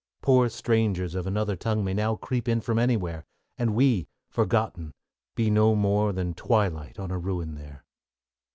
Poor strangers of another tongue May now creep in from anywhere, And we, forgotten, be no more Than twilight on a ruin there.